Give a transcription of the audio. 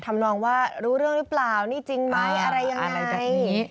ทำนองว่ารู้เรื่องหรือเปล่านี่จริงไหมอะไรยังไง